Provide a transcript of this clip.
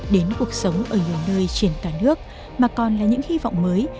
đến cuộc sống ở nhiều nơi trên cả nước mà còn là những hy vọng mới